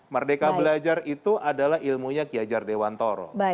merdeka belajar itu adalah ilmunya kiajar dewantoro